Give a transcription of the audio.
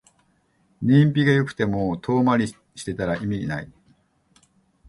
燃費が良くても遠回りしてたら意味ない